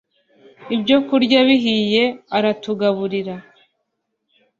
Ibyo kurya bihiye aratugaburira